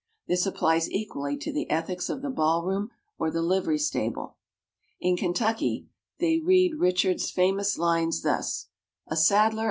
This applies equally to the ethics of the ballroom or the livery stable. In Kentucky they read Richard's famous lines thus: "A saddler!